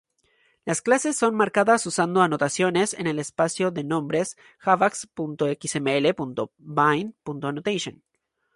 Las clases son marcadas usando anotaciones del espacio de nombres javax.xml.bind.annotation.